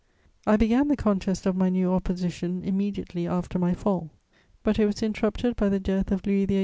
I began the contest of my new opposition immediately after my fall; but it was interrupted by the death of Louis XVIII.